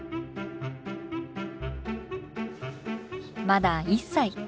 まだ１歳。